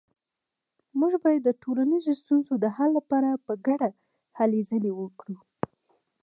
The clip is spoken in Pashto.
موږ باید د ټولنیزو ستونزو د حل لپاره په ګډه هلې ځلې وکړو